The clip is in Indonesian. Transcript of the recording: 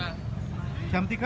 jam tiga sudah stand by